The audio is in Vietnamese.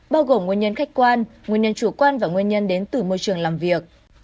bao gồm nguyên nhân khách quan nguyên nhân chủ quan và nguyên nhân đến từ môi trường làm việc